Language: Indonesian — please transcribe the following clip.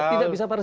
tidak bisa parsial